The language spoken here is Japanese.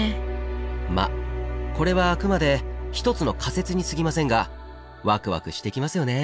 まあこれはあくまで一つの仮説にすぎませんがワクワクしてきますよね。